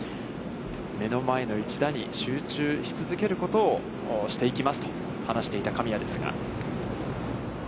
目の前の一打に集中し続けることをしていきますと話していた、神谷ですが。